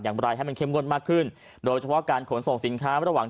อย่างไรให้มันเข้มงวดมากขึ้นโดยเฉพาะการขนส่งสินค้าระหว่าง